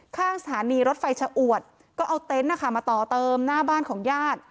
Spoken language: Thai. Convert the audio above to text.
ข้างสถานีรถไฟชะอวดก็เอาเต็นต์นะคะมาต่อเติมหน้าบ้านของญาติ